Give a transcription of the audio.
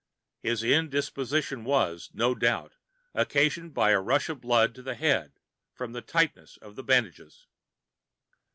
His indisposition was, no doubt, occasioned by a rush of blood to the head from the tightness of the bandages.